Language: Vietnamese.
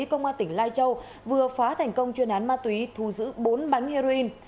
công an tỉnh lai châu vừa phá thành công chuyên án ma túy thu giữ bốn bánh heroin